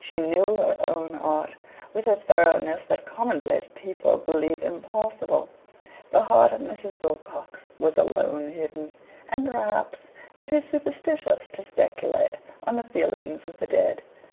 She knew her own heart with a thoroughness that commonplace people believe impossible. The heart of Mrs. Wilcox was alone hidden, and perhaps it is superstitious to speculate on the feelings of the dead.